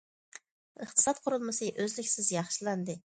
— ئىقتىساد قۇرۇلمىسى ئۈزلۈكسىز ياخشىلاندى.